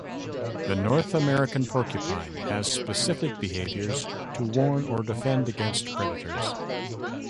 The North American porcupine has specific behaviors to warn or defend against predators.